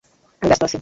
আমি ব্যস্ত আছি।